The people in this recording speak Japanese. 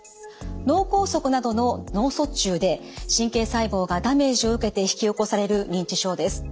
脳梗塞などの脳卒中で神経細胞がダメージを受けて引き起こされる認知症です。